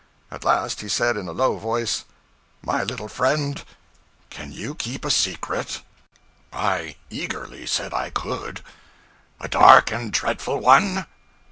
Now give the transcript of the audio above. At last he said in a low voice 'My little friend, can you keep a secret?' I eagerly said I could. 'A dark and dreadful one?'